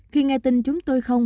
khi nghe tin chúng tôi không